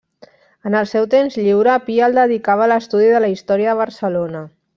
En el seu temps lliure Pi el dedicava a l'estudi de la història de Barcelona.